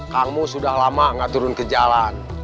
kamu sudah lama gak turun ke jalan